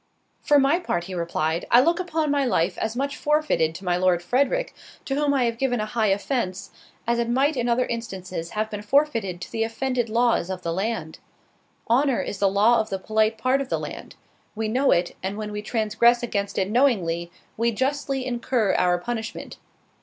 "For my part," he replied, "I look upon my life as much forfeited to my Lord Frederick, to whom I have given a high offence, as it might in other instances have been forfeited to the offended laws of the land. Honour, is the law of the polite part of the land; we know it; and when we transgress against it knowingly, we justly incur our punishment.